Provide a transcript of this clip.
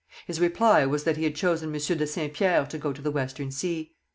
His reply was that he had chosen Monsieur de Saint Pierre to go to the Western Sea.